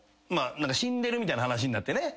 死んでるみたいな話になってね。